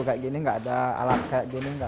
kami kemudian sibuk